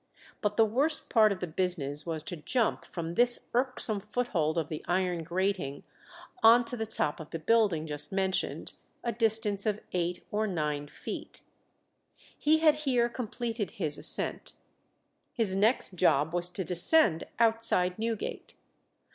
But the worst part of the business was to jump from this irksome foothold of the iron grating on to the top of the building just mentioned, a distance of eight or nine feet. He had here completed his ascent. His next job was to descend outside Newgate.